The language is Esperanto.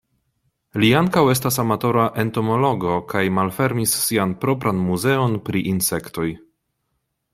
Li ankaŭ estas amatora entomologo kaj malfermis sian propran muzeon pri insektoj.